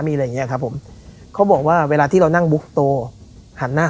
มีอะไรอย่างเงี้ยครับผมเขาบอกว่าเวลาที่เรานั่งบุ๊กโตหันหน้า